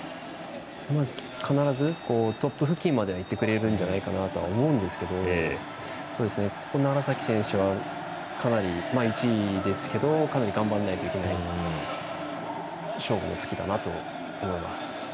必ず、トップ付近まではいってくれるんじゃないかなと思うんですけど楢崎選手は、１位ですけどかなり頑張らなくてはいけない勝負になってくるかなと思います。